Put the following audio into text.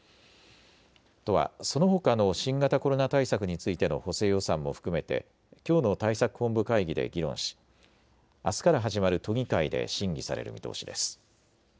都はそのほかの新型コロナ対策についての補正予算も含めてきょうの対策本部会議で議論しあすから始まる都議会で審議される見通しです。